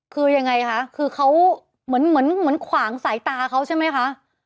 คือยังไงคะคือเขาเหมือนเหมือนขวางสายตาเขาใช่ไหมคะ